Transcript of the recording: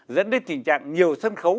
dẫn đến tình trạng nhiều sân khấu